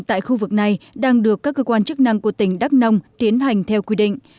tại khu vực này đang được các cơ quan chức năng của tỉnh đắk nông tiến hành theo quy định